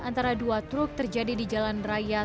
antara dua truk terjadi di jalan raya